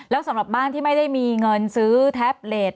แล้วสำหรับบ้านที่ไม่ได้มีเงินซื้อแท็บเล็ต